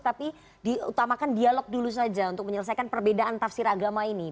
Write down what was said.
tapi diutamakan dialog dulu saja untuk menyelesaikan perbedaan tafsir agama ini